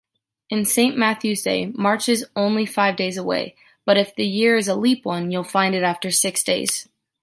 In Saint Matthew’s Day, March is only five days away, but if the year is a leap one, you’ll find it after six days.